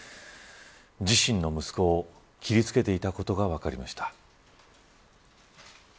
自身の息子を切り付けていたことが分かりました。